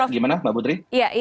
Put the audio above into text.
gimana mbak putri